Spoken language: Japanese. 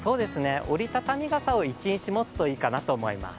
折り畳み傘を１日持つといいかなと思います。